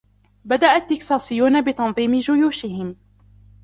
بدأ التكساسيون بتنظيم جيوشهم.